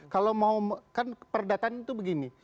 kalau mau kan perdataan itu begini